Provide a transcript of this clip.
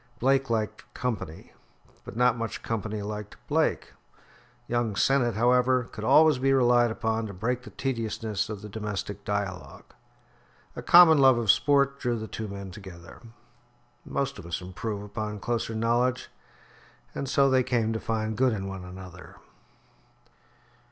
Blake liked company, but not much company liked Blake. Young Sennett, however, could always be relied upon to break the tediousness of the domestic dialogue. A common love of sport drew the two men together. Most of us improve upon closer knowledge, and so they came to find good in one another.